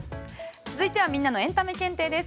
続いてはみんなのエンタメ検定です。